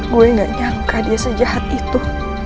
gue gak nyangka dia sejahat itu